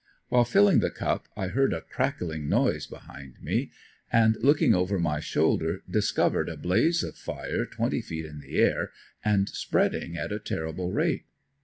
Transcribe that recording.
While filling the cup I heard a crackling noise behind me and looking over my shoulder discovered a blaze of fire twenty feet in the air and spreading at a terrible rate.